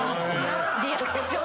リアクション。